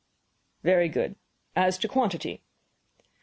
"Very good. As to quantity?"